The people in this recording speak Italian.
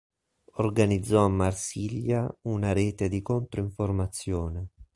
Organizzò a Marsiglia una rete di contro-informazione.